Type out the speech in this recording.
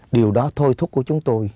điều đó thôi thúc của chúng tôi